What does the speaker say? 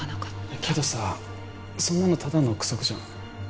けどさそんなのただの臆測じゃん